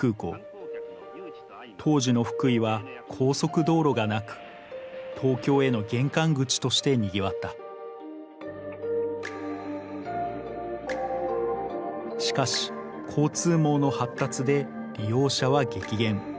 当時の福井は高速道路がなく東京への玄関口としてにぎわったしかし交通網の発達で利用者は激減。